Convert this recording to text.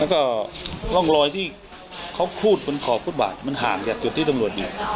แล้วก็ล่องรอยที่เขาขูดบงแขกจากที่ทำนวจนี่